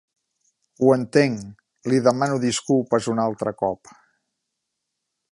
Ho entenc, li demano disculpes un altre cop.